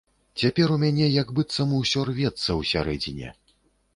Цяпер у мяне як быццам усё рвецца ўсярэдзіне.